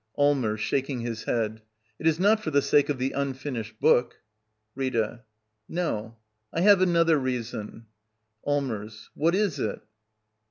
Allmers. [Shaking his head.] It is not for the sake of the unfinished book — Rita. No, I have another reason. Allmers. What is it?